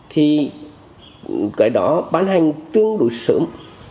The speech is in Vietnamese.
thì cái đó bán hành tương đối sớm